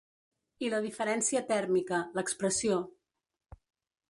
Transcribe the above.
I la diferència tèrmica, l’expressió.